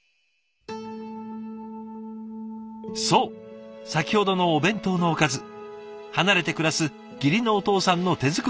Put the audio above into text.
そう先ほどのお弁当のおかず離れて暮らす義理のお父さんの手作りだったんです。